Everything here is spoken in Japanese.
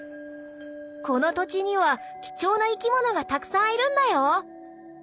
「この土地には貴重な生き物がたくさんいるんだよ！」。